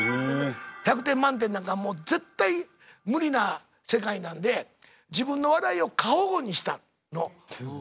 １００点満点なんかもう絶対無理な世界なんで自分の笑いを過保護にしたの。